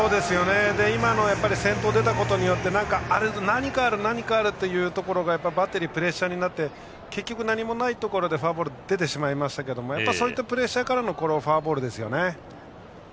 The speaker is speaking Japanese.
今、先頭出たことによって何かがあるということがバッテリーのプレッシャーになり結局、何もないところでフォアボールになりましたがそういったプレッシャーからのフォアボールですよね。